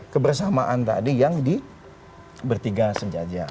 kebersamaan tadi yang di bertiga senjata